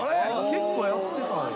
結構やってたんや。